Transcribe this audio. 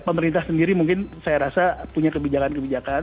pemerintah sendiri mungkin saya rasa punya kebijakan kebijakan